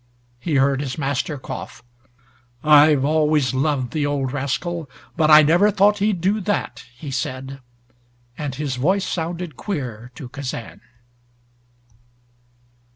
He heard his master cough. "I've always loved the old rascal but I never thought he'd do that," he said; and his voice sounded queer to Kazan.